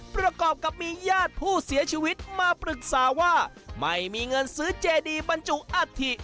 ประกอบกับมีญาติผู้เสียชีวิตมาปรึกษาว่าไม่มีเงินซื้อเจดีบรรจุอัฐิ